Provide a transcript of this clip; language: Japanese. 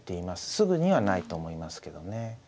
すぐにはないと思いますけどね。